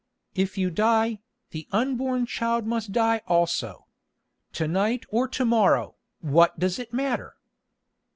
"If you die, the unborn child must die also. To night or to morrow, what does it matter?"